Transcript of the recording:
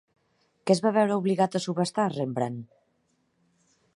Què es va veure obligat a subhastar Rembrandt?